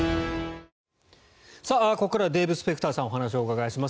ここからはデーブ・スペクターさんにお話をお伺いします。